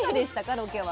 ロケは。